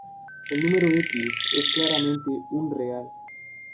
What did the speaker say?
El número "x" es claramente un real.